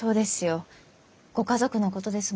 ご家族のことですもの。